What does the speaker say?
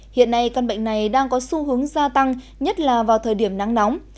hiện nay căn bệnh này đang có xu hướng gia tăng nhất là vào thời điểm nắng nóng